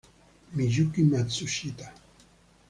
Miyuki Matsushita